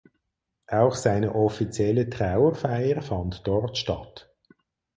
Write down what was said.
Auch seine offizielle Trauerfeier fand dort statt.